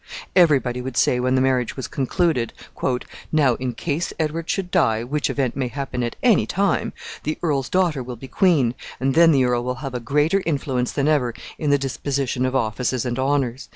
Every body would say when the marriage was concluded, "Now, in case Edward should die, which event may happen at any time, the earl's daughter will be queen, and then the earl will have a greater influence than ever in the disposition of offices and honors.